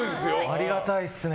ありがたいですね。